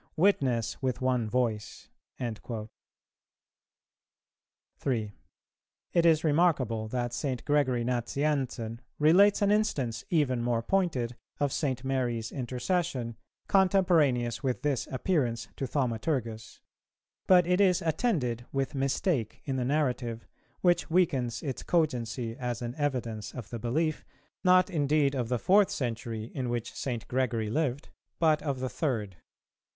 witness with one voice."[418:2] 3. It is remarkable that St. Gregory Nazianzen relates an instance, even more pointed, of St. Mary's intercession, contemporaneous with this appearance to Thaumaturgus; but it is attended with mistake in the narrative, which weakens its cogency as an evidence of the belief, not indeed of the fourth century, in which St. Gregory lived, but of the third.